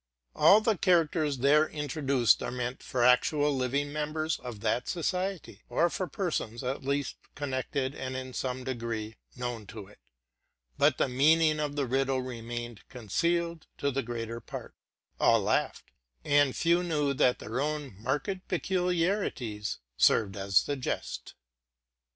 All the characters there introduced are meant for actual living members of that society, or for persons at least connected and in some degree known to it; but the meaning of the riddle remained concealed to the greater part: all laughed, and few knew that their own marked peculiarities served as the jest.